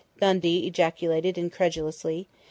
_" Dundee ejaculated incredulously.